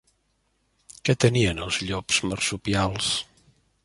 Què tenien els llops marsupials?